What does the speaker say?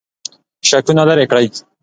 شکونه لرې کړئ.